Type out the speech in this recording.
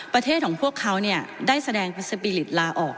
ประเทศของพวกเขาเนี่ยได้แสดงประสบีฤทธิ์ลาออก